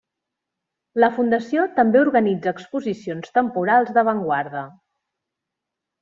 La fundació també organitza exposicions temporals d'avantguarda.